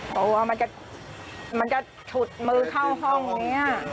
กลัวว่ามันจะมันจะถุดมือเข้าห้องนี้